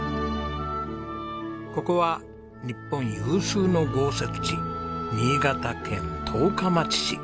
ここは日本有数の豪雪地新潟県十日町市。